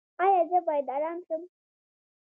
ایا زه باید ارام شم؟